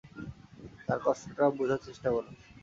তার কষ্টটা বুঝার চেষ্টা কর।